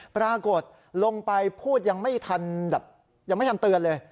ปรากฏลงไปพูดยังไม่ทันแบบยังไม่ทันเตือนเลย